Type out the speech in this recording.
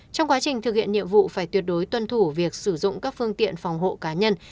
trong quá trình thực hiện nhiệm vụ phải tuyệt đối tuân thủ việc sử dụng các phương tiện phòng hộ cá nhân